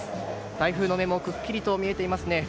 台風の目もくっきりと見えていますね。